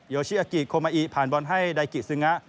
ชิอากิโคมาอิผ่านบอลให้ไดกิซึงะ